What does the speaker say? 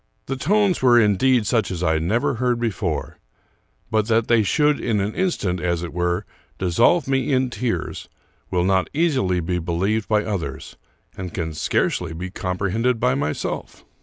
The tones were indeed such as I never heard before; but that they should in an instant, as it were, dissolve me in tears, will not easily be believed by others, and can scarcely be comprehended by myself.